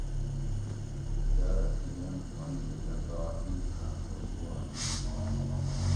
یاۤرہ تِینیم ٹھونگ گی لکا اِیڄاں تھوس وا دِیت